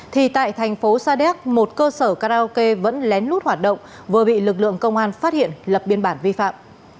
thì tại thành phố sa đéc một cơ sở karaoke vẫn lén lút hoạt động vừa bị lực lượng công an phát hiện lập biên bản vi phạm